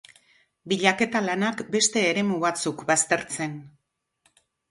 Bilaketa lanak beste eremu batzuk baztertzen.